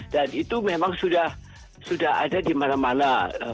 dan itu memang sudah ada di mana mana